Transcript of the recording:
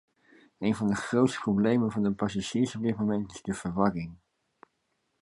Een van de grootste problemen van de passagiers op dit moment is de verwarring...